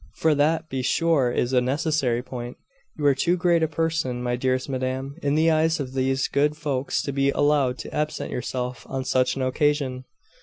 For that be sure is a necessary point. You are too great a person, my dearest madam, in the eyes of these good folks to be allowed to absent yourself on such an occasion.